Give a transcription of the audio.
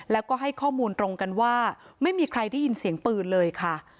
แล้วก็ให้ข้อมูลตรงกันว่าไม่มีใครได้ยินเสียงปืนเลยค่ะ